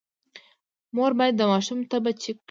مور باید د ماشوم تبه چیک کړي۔